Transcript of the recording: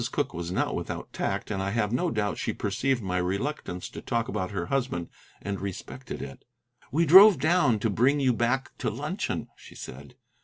Cooke was not without tact, and I have no doubt she perceived my reluctance to talk about her husband and respected it. "We drove down to bring you back to luncheon," she said.